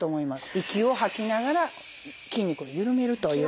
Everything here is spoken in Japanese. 息を吐きながら筋肉を緩めるという。